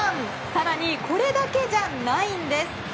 更に、これだけじゃないんです。